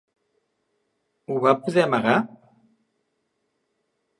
Ho va poder amagar?